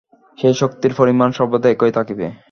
সেই শক্তির পরিমাণ সর্বদা একই থাকিবে।